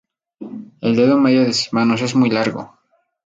El dedo medio de sus manos es muy largo.